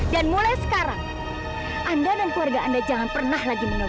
dan mulai sekarang anda dan keluarga anda jangan pernah menangkap kamila